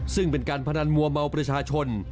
ซึ่งเป็นการพนันมัวเมาประชาชน